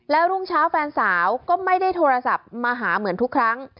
แล้วรุ่งเช้าแฟนสาวก็ไม่ได้โทรศัพท์มาหาเหมือนทุกครั้ง